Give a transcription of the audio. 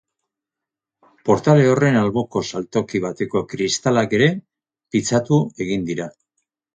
Portale horren alboko saltoki bateko kristalak ere pitzatu egin dira.